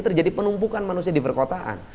terjadi penumpukan manusia di perkotaan